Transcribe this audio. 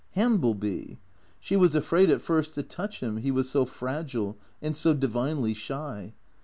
Hambleby ! She was afraid at first to touch him, he was so fragile and so divinely shy.